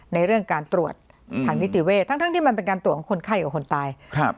ในเรื่องการตรวจทางนิติเวศทั้งที่มันเป็นการตรวจของคนไข้กับคนตายครับ